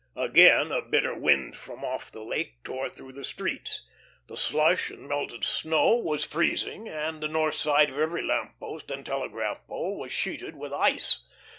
Again a bitter wind from off the Lake tore through the streets. The slush and melted snow was freezing, and the north side of every lamp post and telegraph pole was sheeted with ice.